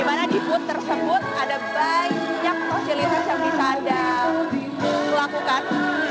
dimana di booth tersebut ada banyak fasilitas yang bisa anda lakukan